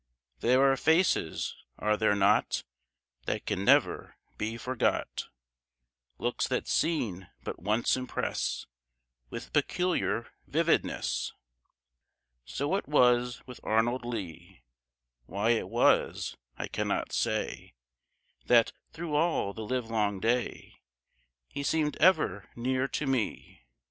There are faces are there not? That can never be forgot. Looks that seen but once impress With peculiar vividness. So it was with Arnold Lee. Why it was I cannot say That, through all the livelong day He seemed ever near to me.